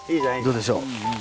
どうでしょう？